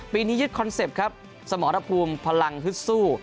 นี้ยึดคอนเซ็ปต์ครับสมรภูมิพลังฮึดสู้